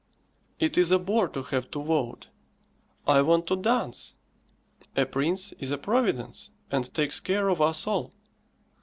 It is a bore to have to vote; I want to dance. A prince is a providence, and takes care of us all.